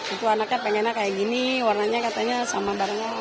itu anaknya pengennya kayak gini warnanya katanya sama bareng